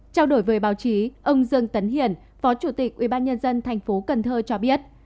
trao đổi với báo chí ông dương tấn hiển phó chủ tịch ubnd thành phố cần thơ cho biết